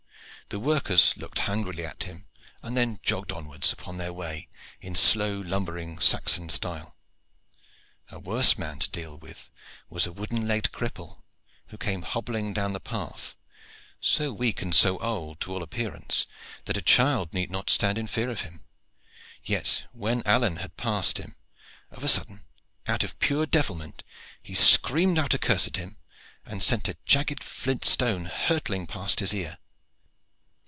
The workers looked hungrily at him, and then jogged onwards upon their way in slow, lumbering Saxon style. A worse man to deal with was a wooden legged cripple who came hobbling down the path, so weak and so old to all appearance that a child need not stand in fear of him. Yet when Alleyne had passed him, of a sudden, out of pure devilment, he screamed out a curse at him, and sent a jagged flint stone hurtling past his ear.